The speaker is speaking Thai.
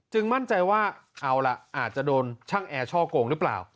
มั่นใจว่าเอาล่ะอาจจะโดนช่างแอร์ช่อโกงหรือเปล่า